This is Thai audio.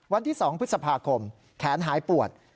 วันที่๒พฤษภาคมแขนหายปวด